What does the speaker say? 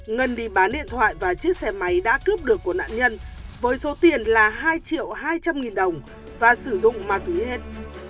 ngân đi bán điện thoại và chiếc xe máy đã cướp được của nạn nhân với số tiền là hai triệu hai trăm linh nghìn đồng và sử dụng ma túy hết